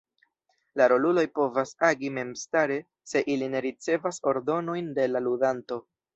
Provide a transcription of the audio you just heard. La roluloj povas agi memstare se ili ne ricevas ordonojn de la ludanto.